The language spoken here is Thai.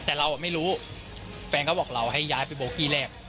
แต่เราไม่รู้แฟนเขาบอกเราให้ย้ายไปโบกี้แรก